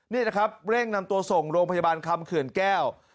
นี่นะครับเร่งนำตัวส่งโรงพยาบาลคำเขื่อนแก้ว